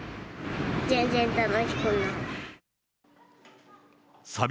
全然楽しくない。